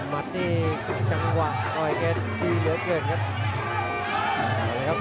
มัดนี่จังหวะต่อยแกดีเหลือเกินครับ